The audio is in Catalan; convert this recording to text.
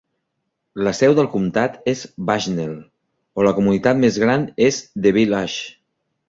La seu del comtat és Bushnell o la comunitat més gran és The Villages.